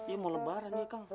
ya mau lebaran ya kang